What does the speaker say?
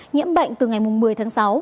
nhiễm bệnh từ ngày một mươi tháng sáu